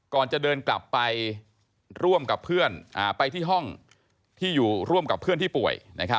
ก่อนจะเดินกลับไปร่วมกับเพื่อนไปที่ห้องที่อยู่ร่วมกับเพื่อนที่ป่วย